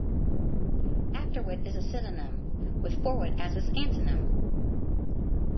Afterwit is a synonym, with forewit as its antonym.